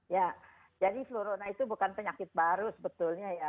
ya jadi flurona itu bukan penyakit baru sebetulnya ya